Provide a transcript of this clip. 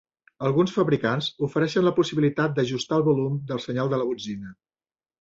Alguns fabricants ofereixen la possibilitat d'ajustar el volum del senyal de la botzina.